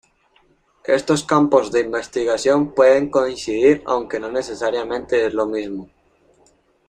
Estos campos de investigación pueden coincidir, aunque no necesariamente es lo mismo.